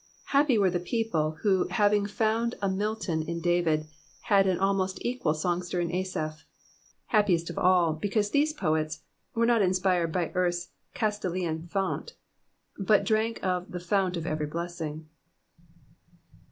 Happy were the peopHe who having foutxd a Milton in David had am alrnost equal songster in Asaph : happiest of all, because these poets were not inspired by eartKs Castalian fount, but drank of the fount of every blessing."